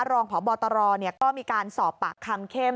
รองพบตรก็มีการสอบปากคำเข้ม